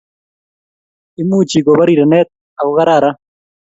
Imuchi kobo rirenet ako kararan